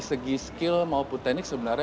segi skill maupun teknik sebenarnya